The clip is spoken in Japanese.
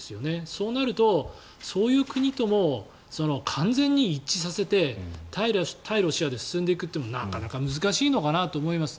そうなると、そういう国とも完全に一致させて対ロシアで進んでいくというのはなかなか難しいのかなと思います。